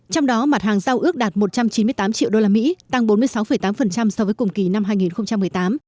trong đó mặt hàng giao ước đạt một trăm chín mươi tám triệu đô la mỹ tăng bốn mươi sáu tám so với cùng kỳ năm hai nghìn một mươi tám